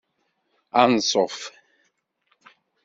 Anṣuf!